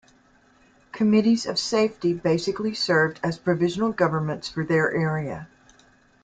Committees of Safety basically served as provisional governments for their area.